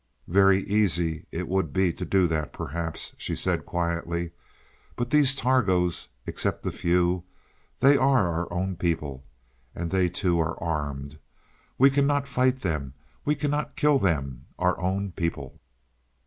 "Very easy it would be to do that perhaps," she said quietly. "But these Targos, except a few they are our own people. And they too are armed. We cannot fight them; we cannot kill them our own people."